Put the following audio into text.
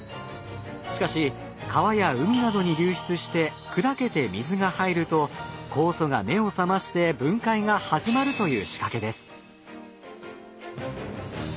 しかし川や海などに流出して砕けて水が入ると酵素が目を覚まして分解が始まるという仕掛けです。